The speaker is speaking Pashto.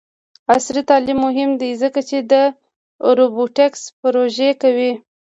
عصري تعلیم مهم دی ځکه چې د روبوټکس پروژې کوي.